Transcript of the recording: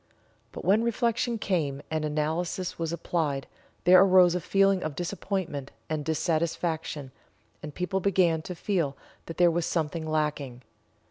But when reflection came, and analysis was applied there arose a feeling of disappointment and dissatisfaction, and people began to feel that there was something lacking.